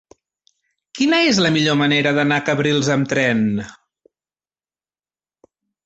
Quina és la millor manera d'anar a Cabrils amb tren?